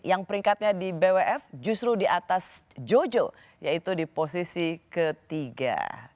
yang peringkatnya di bwf justru di atas jojo yaitu di posisi ketiga